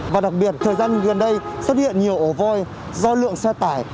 và đặc biệt thời gian gần đây xuất hiện nhiều ổ voi do lượng xe tải